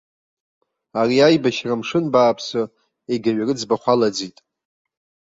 Ари аибашьра мшын бааԥсы егьаҩ рыӡбахә алаӡит.